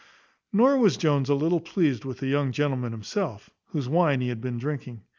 Nor was Jones a little pleased with the young gentleman himself, whose wine he had been drinking.